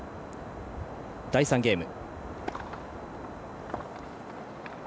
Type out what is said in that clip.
第３ゲーム。